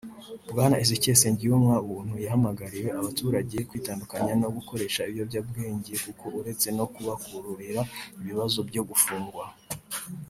Bwana Ezekiel Nsengiyumwa Buntu yahamagariye abaturage kwitandukanya no gukoresha ibiyobyabwenge kuko uretse no kubakururira ibibazo byo gufungwa